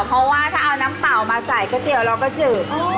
พอน้ำเปล่ามาใส่กะเตี๋ยวเราก็เจอ